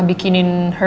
tidak ada apa apa